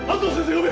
呼べ！